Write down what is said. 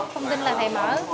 không tin là thầy mở